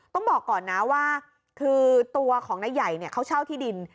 ต้องบอกก่อนนะว่าคือตัวของนายใหญ่เขาเช่าที่ดิน